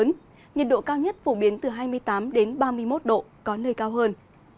trong mưa rông nhiệt độ cao nhất phổ biến từ hai mươi tám ba mươi một độ có nơi cao hơn